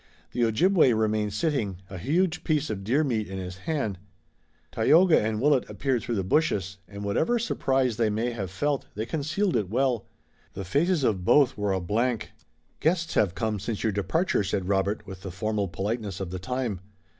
The Ojibway remained sitting, a huge piece of deer meat in his hand. Tayoga and Willet appeared through the bushes, and whatever surprise they may have felt they concealed it well. The faces of both were a blank. "Guests have come since your departure," said Robert, with the formal politeness of the time.